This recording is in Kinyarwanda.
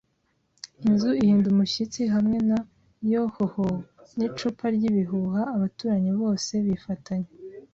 inzu ihinda umushyitsi hamwe na “Yo-ho-ho, n'icupa ry'ibihuha,” abaturanyi bose bifatanya